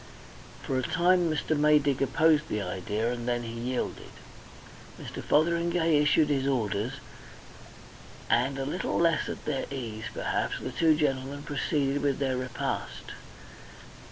For a time Mr. Maydig opposed the idea, and then he yielded. Mr. Fotheringay issued his orders, and a little less at their ease, perhaps, the two gentlemen proceeded with their repast.